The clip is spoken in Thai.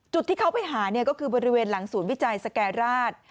จุดที่เขาไปหาเนี่ยก็คือบริเวณหลังศูนย์วิจัยสแก่ราช